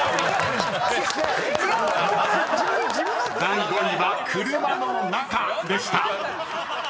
違うの⁉［第５位は「車の中」でした］